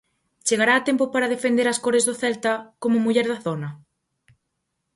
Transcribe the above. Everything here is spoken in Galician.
Chegará a tempo para defender as cores do Celta, como muller da zona?